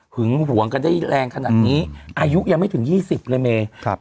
หึงหวงกันได้แรงขนาดนี้อายุยังไม่ถึงยี่สิบเลยแม่ครับ